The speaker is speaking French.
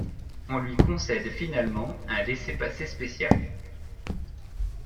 On lui concède finalement un laissez-passer spécial.